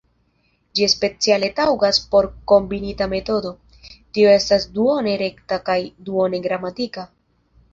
Ĝi speciale taŭgas por kombinita metodo, tio estas duone rekta kaj duone gramatika.